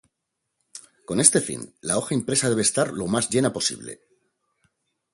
Con este fin, la hoja impresa debe estar lo más llena posible.